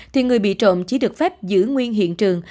thì người bị trộm chỉ được phép giữ nguyên hiện trường